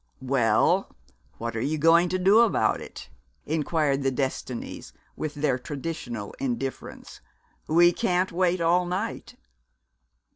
"Well, what are you going to do about it?" inquired the Destinies with their traditional indifference. "We can't wait all night!"